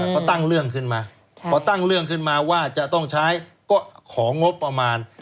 เขาตั้งเรื่องขึ้นมาพอตั้งเรื่องขึ้นมาว่าจะต้องใช้ก็ของงบประมาณ